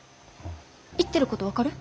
言ってること分かる？